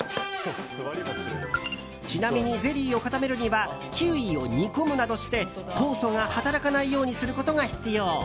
ちなみにゼリーを固めるにはキウイを煮込むなどして酵素が働かないようにすることが必要。